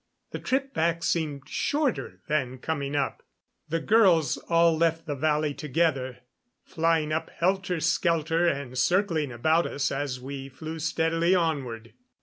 The trip back seemed shorter than coming up. The girls all left the valley together, flying up helter skelter, and circling about us as we flew steadily onward.